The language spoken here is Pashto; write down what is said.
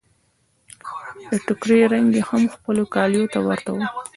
د ټکري رنګ يې هم خپلو کاليو ته ورته و.